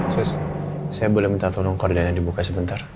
sus saya boleh minta tolong korden yang dibuka sebentar